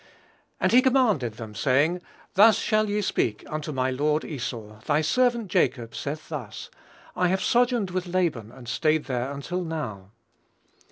"And he commanded them, saying, Thus shall ye speak unto my lord Esau; thy servant Jacob saith thus, I have sojourned with Laban, and stayed there until now."